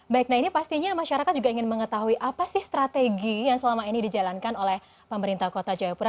baik nah ini pastinya masyarakat juga ingin mengetahui apa sih strategi yang selama ini dijalankan oleh pemerintah kota jayapura